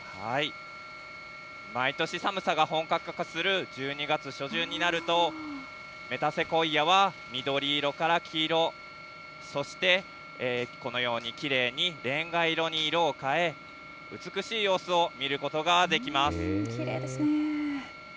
毎年寒さが本格化する１２月初旬になると、メタセコイアは緑色から黄色、そしてこのようにきれいに、レンガ色に色を変え、美しい様子を見きれいですね。